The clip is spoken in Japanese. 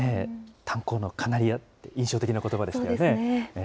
炭鉱のカナリアって、印象的なことばでしたよね。